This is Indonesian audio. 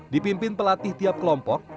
dipimpin pelatih tiap kelompok